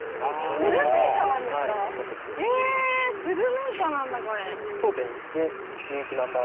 スルメイカなんですか？